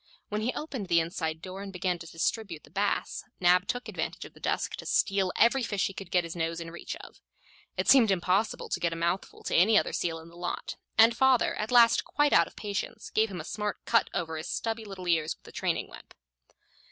When he opened the inside door and began to distribute the bass, Nab took advantage of the dusk to steal every fish he could get his nose in reach of. It seemed impossible to get a mouthful to any other seal in the lot; and father, at last quite out of patience, gave him a smart cut over his stubby little ears with the training whip.